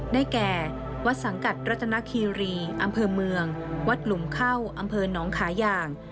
ได้แก่วัดสังกัดรัฐนาคีรีอำเภอเมือง